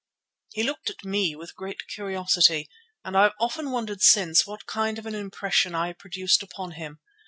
He looked at me with great curiosity, and I have often wondered since what kind of an impression I produced upon him.